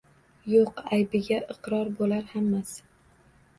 Yo’q aybiga iqror bo’lar hammasi